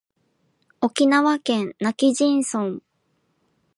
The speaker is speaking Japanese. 沖縄県今帰仁村